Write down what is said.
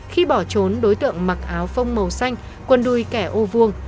khi bỏ trốn đối tượng mặc áo phông màu xanh quân đuôi kẻ ô vuông